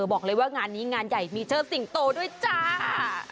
บอกเลยว่างานนี้งานใหญ่มีเชิดสิงโตด้วยจ้า